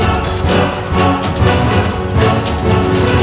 udah dong gua lepasin mirna